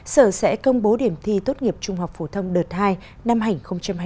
sở sẽ công bố điểm thi tốt nghiệp trung học phổ thông đợt hai năm hành hai mươi